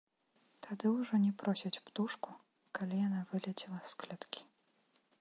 Тады ўжо не просяць птушку, калі яна вылецела з клеткі.